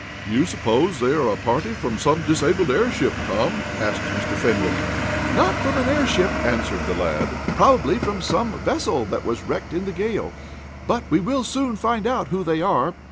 "Do you suppose they are a party from some disabled airship, Tom," asked Mr. Fenwick. "Not from an airship," answered the lad. "Probably from some vessel that was wrecked in the gale. But we will soon find out who they are."